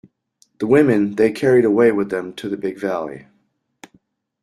The women they carried away with them to the Big Valley.